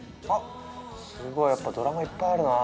すごいやっぱドラマいっぱいあるなあ。